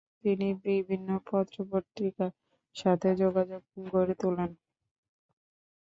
তিনি বিভিন্ন পত্র পত্রিকার সাথে যোগাযোগ গড়ে তোলেন।